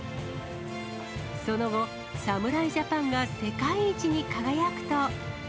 その後、侍ジャパンが世界一に輝くと。